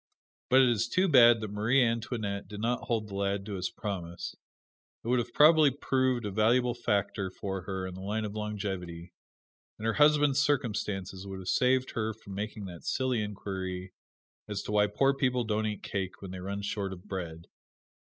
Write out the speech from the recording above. But it is too bad that Marie Antoinette did not hold the lad to his promise. It would have probably proved a valuable factor for her in the line of longevity; and her husband's circumstances would have saved her from making that silly inquiry as to why poor people don't eat cake when they run short of bread.